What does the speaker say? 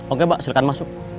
oke mbak silahkan masuk